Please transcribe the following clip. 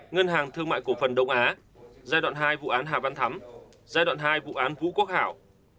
ngân hàng thương mại cổ phần đông á giai đoạn hai vụ án hà văn thắm giai đoạn hai vụ án vũ quốc hảo